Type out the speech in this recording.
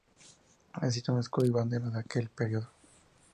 Existe un escudo y bandera de aquel periodo.